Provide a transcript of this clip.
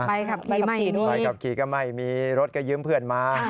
ไปขับขี่ไม่มีไปขับขี่ก็ไม่มีรถก็ยืมเพื่อนมา